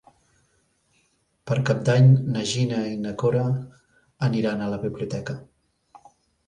Per Cap d'Any na Gina i na Cora aniran a la biblioteca.